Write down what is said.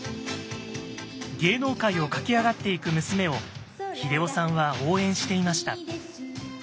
芸能界を駆け上がっていく娘を英夫さんは応援していました。